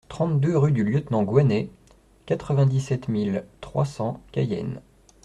trente-deux rue du Lieutenant Goinet, quatre-vingt-dix-sept mille trois cents Cayenne